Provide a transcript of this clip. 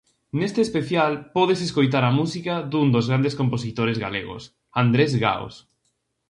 Neste especial podes escoitar a música dun dos grandes compositores galegos, Andrés Gaos.